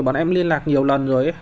bọn em liên lạc nhiều lần rồi ấy